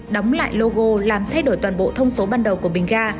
đóng lại logo làm thay đổi toàn bộ thông số ban đầu của bình ga